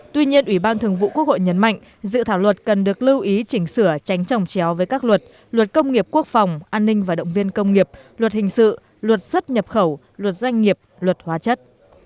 tuy nhiên ủy ban thường vụ quốc hội nhấn mạnh dự thảo luật cần được lưu ý chỉnh sửa tránh trồng chéo với các luật luật công nghiệp quốc phòng an ninh và động viên công nghiệp luật hình sự luật xuất nhập khẩu luật doanh nghiệp luật hóa chất